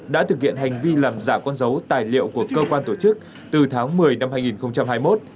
đã thực hiện hành vi làm giả con dấu tài liệu của cơ quan tổ chức từ tháng một mươi năm hai nghìn hai mươi một